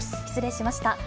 失礼しました。